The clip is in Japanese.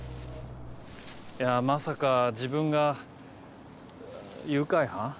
まさか自分が誘拐犯？